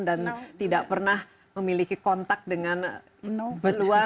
dan tidak pernah memiliki kontak dengan luar